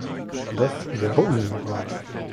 Das wäre unmoralisch.